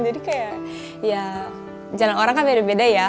jadi kayak ya jalan orang kan beda beda ya